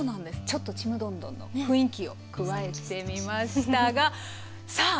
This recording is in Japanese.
ちょっと「ちむどんどん」の雰囲気を加えてみましたがさあ